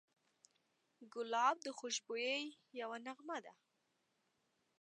ګلاب د خوشبویۍ یوه نغمه ده.